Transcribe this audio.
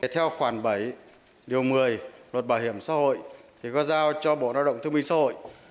theo khoản bảy điều một mươi luật bảo hiểm xã hội thì có giao cho bộ lao động thương minh xã hội